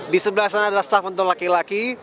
di sebelah sana ada staf untuk laki laki